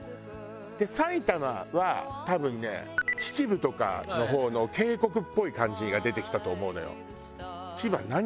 で埼玉は多分ね秩父とかの方の渓谷っぽい感じが出てきたと思うのよ。